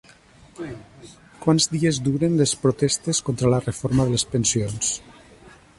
Quants dies duren les protestes contra la reforma de les pensions?